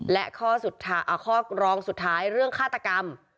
และข้อรองสุดท้ายเรื่องฆาตกรรม